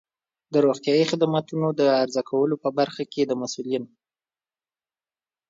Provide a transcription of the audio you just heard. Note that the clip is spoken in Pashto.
د روغتیایی خدماتو د عرضه کولو په برخه کې د مسؤلینو